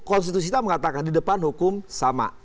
konstitusi kita mengatakan di depan hukum sama